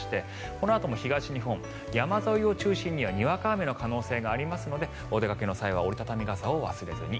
このあとも東日本、山沿いを中心ににわか雨の可能性がありますのでお出かけの際は折り畳み傘を忘れずに。